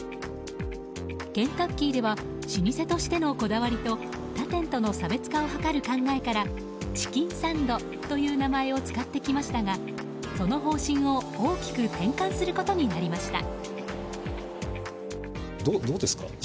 ケンタッキーでは老舗としてのこだわりと他店との差別化を図る考えからチキンサンドという名前を使ってきましたがその方針を大きく転換することになりました。